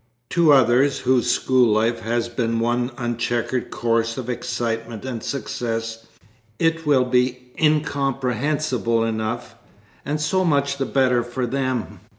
To others, whose school life has been one unchequered course of excitement and success, it will be incomprehensible enough and so much the better for them.